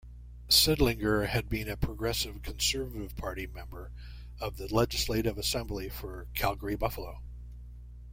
Sindlinger had been a Progressive Conservative Party member of the legislative assembly for Calgary-Buffalo.